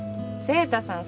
晴太さん